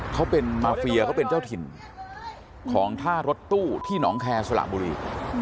เขาเป็นมาเฟียเขาเป็นเจ้าถิ่นของท่ารถตู้ที่หนองแคร์สละบุรี